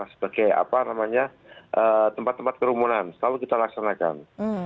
sebagai tempat tempat kerumunan selalu kita laksanakan